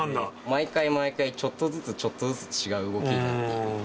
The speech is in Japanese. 毎回毎回、ちょっとずつ、ちょっとずつ違う動きになっていく。